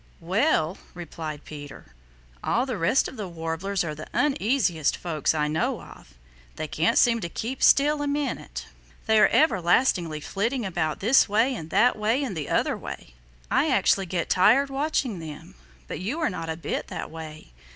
"Well," replied Peter, "all the rest of the Warblers are the uneasiest folks I know of. They can't seem to keep still a minute. They are everlastingly flitting about this way and that way and the other way. I actually get tired watching them. But you are not a bit that way.